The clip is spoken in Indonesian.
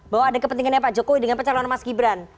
bahwa ada kepentingannya pak jokowi dengan pencalon mas gibran